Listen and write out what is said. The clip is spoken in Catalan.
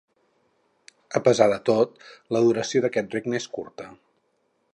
A pesar de tot, la duració d'aquest regne és curta.